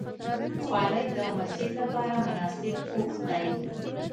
خولۍ د مسجد لپاره مناسب پوښ دی.